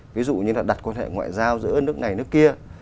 ví dụ như là đặt quan hệ ngoại giao giữa nước này nước kia